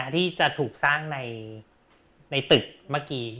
ที่จะถูกสร้างในตึกเมื่อกี้